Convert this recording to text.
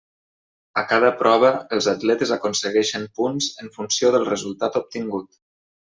A cada prova els atletes aconsegueixen punts en funció del resultat obtingut.